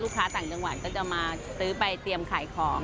ค้าต่างจังหวัดก็จะมาซื้อไปเตรียมขายของ